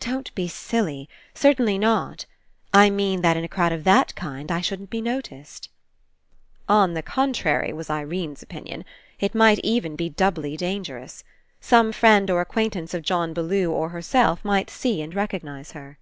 "Don't be silly! Certainly not! I mean that in a crowd of that kind I shouldn't be noticed." On the contrary, was Irene's opinion. It might be even doubly dangerous. Some friend or acquaintance of John Bellew or herself might see and recognize her.